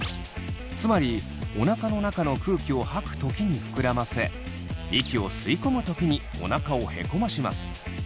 つまりおなかの中の空気を吐く時に膨らませ息を吸い込む時におなかをへこまします。